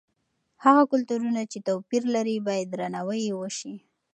هغه کلتورونه چې توپیر لري باید درناوی یې وسي.